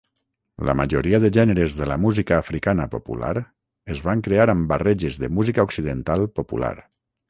La majoria de gèneres de la música africana popular es van crear amb barreges de música occidental popular.